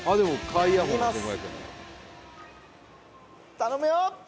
「頼むよ！」